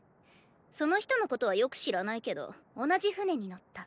その人のことはよく知らないけど同じ船に乗った。